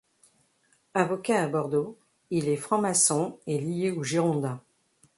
Avocat à Bordeaux, il est franc-maçon et lié aux girondins.